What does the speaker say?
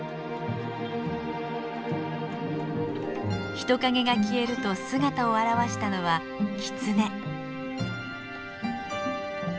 人影が消えると姿を現したのはキツネ。